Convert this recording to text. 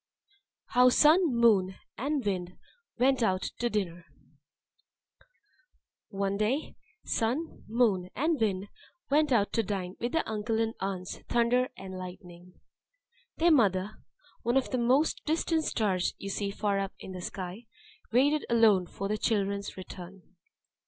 How Sun, Moon, and Wind went out to Dinner One day Sun, Moon, and Wind went out to dine with their uncle and aunts Thunder and Lightning. Their mother (one of the most distant Stars you see far up in the sky) waited alone for her children's return.